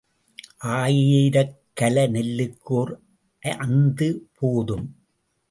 ஆயிரக் கல நெல்லுக்கு ஓர் அந்து போதும்.